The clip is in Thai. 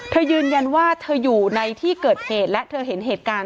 ยืนยันว่าเธออยู่ในที่เกิดเหตุและเธอเห็นเหตุการณ์